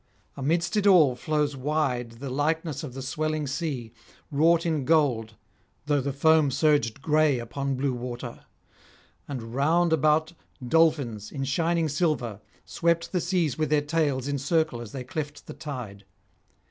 Amidst it all flows wide the likeness of the swelling sea, wrought in gold, though the foam surged gray upon blue water; and round about dolphins, in shining silver, swept the seas with their tails in circle as they cleft the tide.